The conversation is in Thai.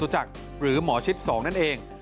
หรือหมอชิป๒นั่นเอง